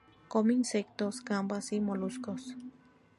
Come insectos, gambas y moluscos.